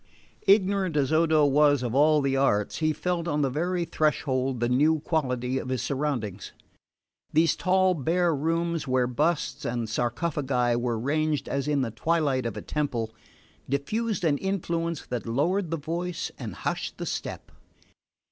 Ignorant as Odo was of all the arts, he felt on the very threshold the new quality of his surroundings. These tall bare rooms, where busts and sarcophagi were ranged as in the twilight of a temple, diffused an influence that lowered the voice and hushed the step.